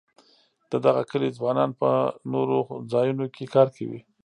د دغه کلي ځوانان په نورو ځایونو کې کار کوي.